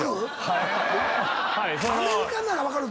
アメリカなら分かる。